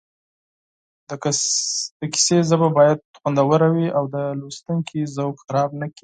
د کیسې ژبه باید خوندوره وي او د لوستونکي ذوق خراب نه کړي